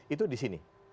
itu di sini